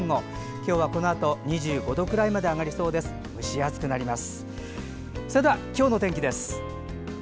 今日は、このあと２５度くらいまで上がりそうです。